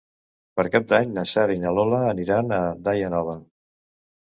Per Cap d'Any na Sara i na Lola aniran a Daia Nova.